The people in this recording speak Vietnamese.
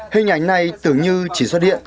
hình ảnh này tưởng như chỉ xuất hiện